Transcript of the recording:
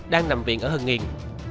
đang nằm viện ở hân nghiên